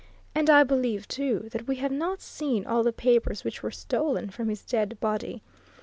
And I believe, too, that we have not seen all the papers which were stolen from his dead body.